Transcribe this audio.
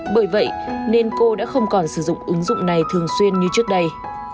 bởi vậy nên cô đã không còn sử dụng ứng dụng này thường xuyên như trước đây